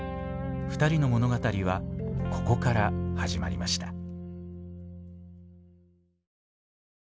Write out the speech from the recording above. ２人の物語はここから始まりました。